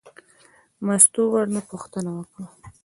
مستو ورنه پوښتنه وکړه.